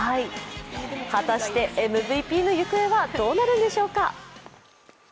果たしてＭＶＰの行方はどうなるんでしょうか。